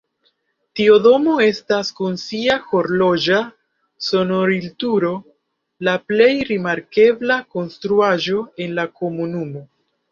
Tiu domo estas kun sia horloĝa sonorilturo la plej rimarkebla konstruaĵo en la komunumo.